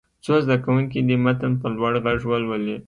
څو زده کوونکي دې متن په لوړ غږ ولولي.